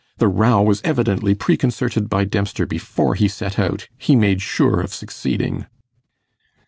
The row was evidently preconcerted by Dempster before he set out. He made sure of succeeding.